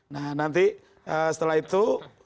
nah nanti setelah itu